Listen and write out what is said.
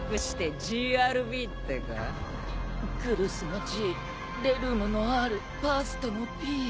グルスのＧレルムのＲバーストのＢ。